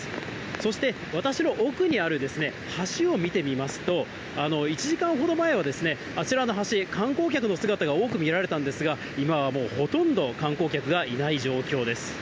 そして私の奥にある橋を見てみますと、１時間ほど前はあちらの橋、観光客の姿が多く見られたんですが、今はもうほとんど観光客がいない状況です。